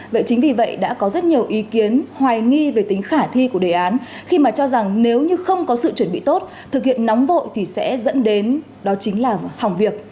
vậy chính vì vậy đã có rất nhiều ý kiến hoài nghi về tính khả thi của đề án khi mà cho rằng nếu như không có sự chuẩn bị tốt thực hiện nóng vội thì sẽ dẫn đến đó chính là hỏng việc